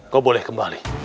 kau boleh kembali